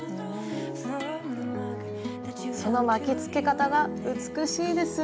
その巻きつけ方が美しいです。